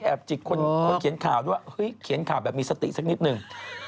จิกคนเขียนข่าวด้วยเฮ้ยเขียนข่าวแบบมีสติสักนิดนึง